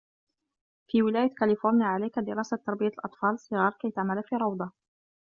في ولاية كاليفورنيا، عليك دراسة تربية الأطفال الصّغار كي تعمل في روضة.